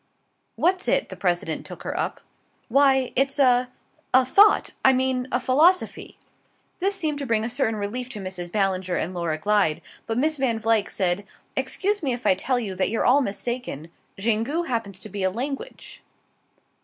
"What's it?" the President took her up. "Why it's a a Thought: I mean a philosophy." This seemed to bring a certain relief to Mrs. Ballinger and Laura Glyde, but Miss Van Vluyck said: "Excuse me if I tell you that you're all mistaken. Xingu happens to be a language."